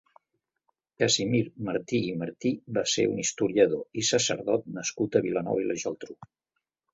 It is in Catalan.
Casimir Martí i Martí va ser un historiador i sacerdot nascut a Vilanova i la Geltrú.